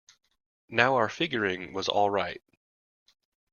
Now our figuring was all right.